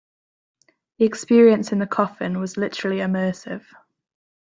The experience in the coffin was literally immersive.